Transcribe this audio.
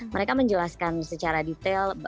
mereka menjelaskan secara detail